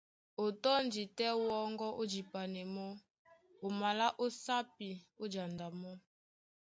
O tɔ́ndi tɛ́ wɔ́ŋgɔ́ ó jipanɛ mɔ́, o malá ó sápi, ó janda mɔ́.